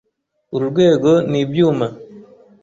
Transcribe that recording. Uru rwego ni ibyuma.